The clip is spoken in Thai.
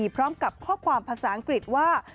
พร้อมกับข้อความภาษาอังกฤษว่า